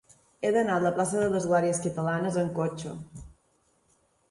He d'anar a la plaça de les Glòries Catalanes amb cotxe.